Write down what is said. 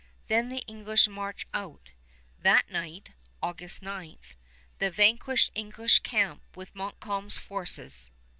Then the English march out. That night August 9 the vanquished English camp with Montcalm's forces.